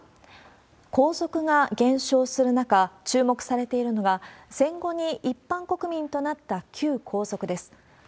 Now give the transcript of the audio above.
皇族が減少する中、注目されているのが、戦後に一般国民となった旧皇族です。